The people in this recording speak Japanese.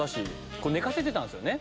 これ寝かせてたんですよね？